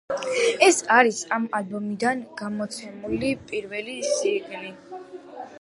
ეს არის ამ ალბომიდან გამოცემული პირველი სინგლი.